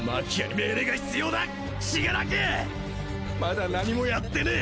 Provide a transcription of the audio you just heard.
まだ何もやってねぇ！